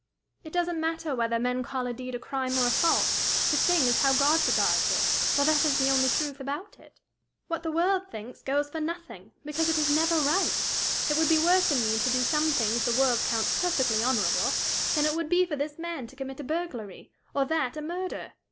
"It doesn't matter whether men call a deed a crime or a fault; the thing is how God regards it, for that is the only truth about it. What the world thinks, goes for nothing, because it is never right. It would be worse in me to do some things the world counts perfectly honorable, than it would be for this man to commit a burglary, or that a murder.